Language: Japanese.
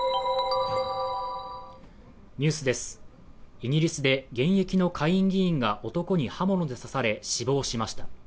イギリスで現役の下院議員が男に刃物で刺され死亡しました。